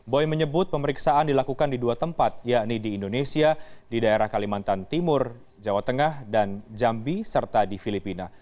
boy menyebut pemeriksaan dilakukan di dua tempat yakni di indonesia di daerah kalimantan timur jawa tengah dan jambi serta di filipina